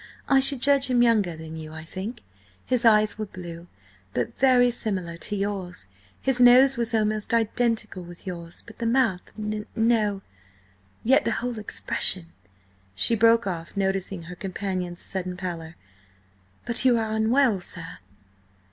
I should judge him younger than you, I think. His eyes were blue, but very similar to yours. His nose was almost identical with yours, but the mouth–n no. Yet the whole expression—" She broke off, noticing her companion's sudden pallor. "But you are unwell, sir?"